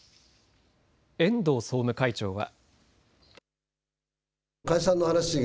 遠藤総務会長は。